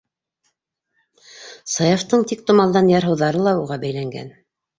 Саяфтың тиктомалдан ярһыуҙары ла уға бәйләнгән.